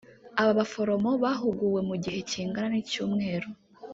Aba baforomo bahuguwe mu gihe kingana n’icyumweru